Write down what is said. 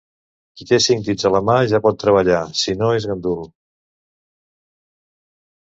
Qui té cinc dits a la mà ja pot treballar, si no és gandul.